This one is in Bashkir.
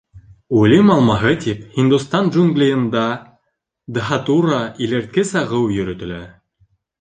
Үлем Алмаһы тип һиндостан джунглийында дһатура — илерт -кес ағыу йөрөтөлә.